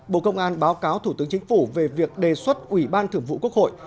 bộ công an báo cáo thủ tướng chính phủ về việc đề xuất ủy ban thưởng vụ quốc hội